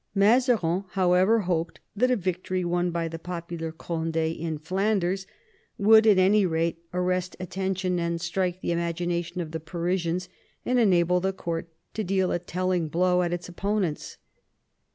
Mazarin, however, hoped that a victory won by the popular Cond^ in Flanders would at any rate arrest attention, strike the imagination of the Parisians, and enable the court to deal a telling blow at its opponents.